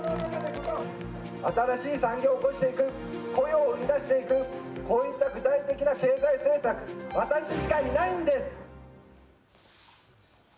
新しい産業を興していく、雇用を生み出していく、こういった具体的な経済政策、私しかいないんです。